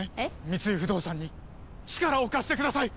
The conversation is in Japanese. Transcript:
三井不動産に力を貸してください！